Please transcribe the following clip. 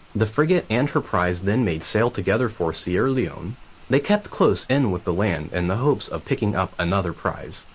The frigate and her prize then made sail together for Sierra Leone. They kept close in with the land in the hopes of picking up another prize.